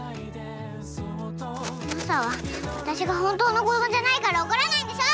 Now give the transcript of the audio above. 私が本当の子どもじゃないから、怒らないんでしょ。